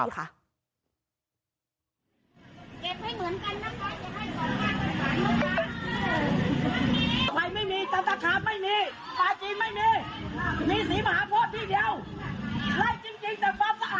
รับประตังคู่หกไฟพูดช็อต